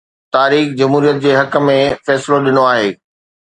تاريخ جمهوريت جي حق ۾ فيصلو ڏنو آهي.